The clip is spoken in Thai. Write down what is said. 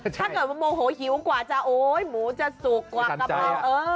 ถ้าเกิดโมโหหิวกว่าจะโอ้ยหลูกจะสุกกว่ากระเป๋า